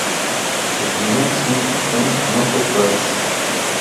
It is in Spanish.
El primer single fue "No Surprise".